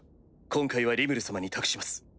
今回はリムル様に託します。